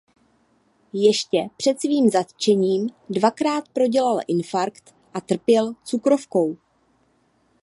Ještě před svým zatčením dvakrát prodělal infarkt a trpěl cukrovkou.